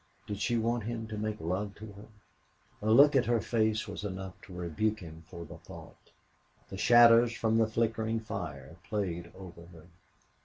Did she want him to make love to her? A look at her face was enough to rebuke him for the thought. The shadows from the flickering fire played over her.